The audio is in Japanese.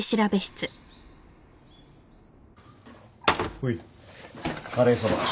ほいカレーそば。